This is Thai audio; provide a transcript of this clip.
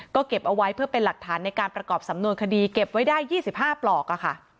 ก็เก็บเอาไว้เพื่อเป็นหลักฐานในการประกอบสำนวนคดีเก็บไว้ได้๒๕ปลอกอะค่ะ